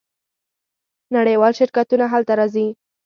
نړیوال شرکتونه هلته راځي.